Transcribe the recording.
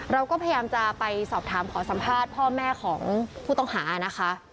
เราก็พยายามจะไปสอบถามขอสัมภาษณ์พ่อแม่ของผู้ต้องหานะคะ